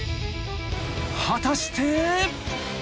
［果たして］